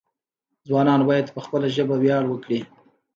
ځوانان باید په خپله ژبه ویاړ وکړي.